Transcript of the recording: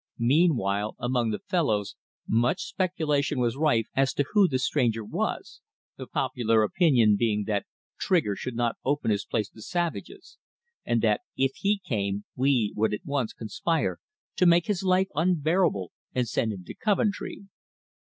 Meanwhile among the fellows much speculation was rife as to who the stranger was, the popular opinion being that Trigger should not open his place to "savages," and that if he came we would at once conspire to make his life unbearable and send him to Coventry.